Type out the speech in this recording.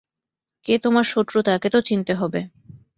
কে তোমার শত্রু তাকে তো চিনতে হবে।